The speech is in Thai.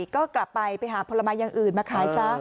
ก็กลับไปไปหาผลไม้อย่างอื่นมาขายซะ